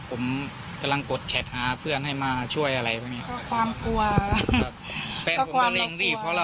ผมกำลังกดแชทหาเพื่อนให้มาช่วยอะไรพวกนี้